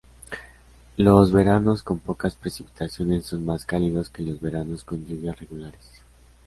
Los veranos con pocas precipitaciones son más cálidos que los veranos con lluvias regulares.